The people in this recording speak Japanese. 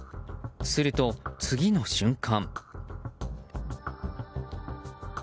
すると、次の瞬間。